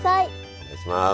お願いします。